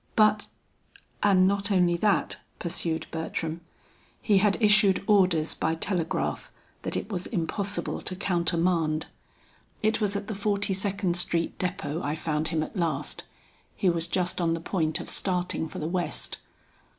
"But " "And not only that," pursued Bertram. "He had issued orders by telegraph, that it was impossible to countermand. It was at the Forty Second Street depôt I found him at last. He was just on the point of starting for the west."